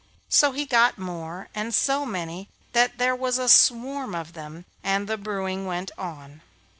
So he got more and so many that there was a swarm of them, and then the brewing went on.